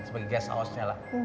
sebagai gast house nya lah